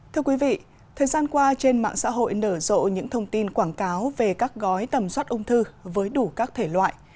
thưa quý vị thời gian qua trên mạng xã hội nở rộ những thông tin quảng cáo về các gói tầm soát ung thư với đủ các thể loại